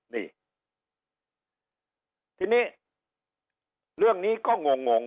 นี่ทีนี้เรื่องนี้ก็งงง